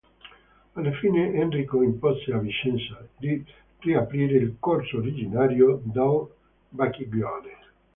Alla fine Enrico impose a Vicenza di riaprire il corso originario del Bacchiglione.